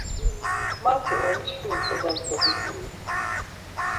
Mat̆i omçviru t̆obas dobiguri.